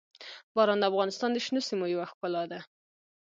باران د افغانستان د شنو سیمو یوه ښکلا ده.